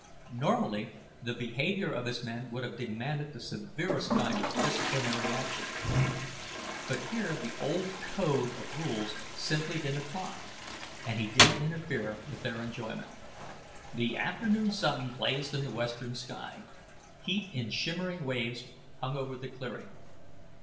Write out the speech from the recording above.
Normally the behavior of his men would have demanded the severest kind of disciplinary action. But here the old code of rules simply didn't apply and he didn't interfere with their enjoyment. The afternoon sun blazed in the western sky; heat in shimmering waves hung over the clearing.